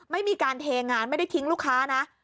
ไม่มีการเทงานไม่ได้ทิ้งลูกค้านะ